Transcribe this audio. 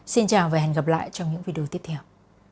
xin chào và hẹn gặp lại trong những video tiếp theo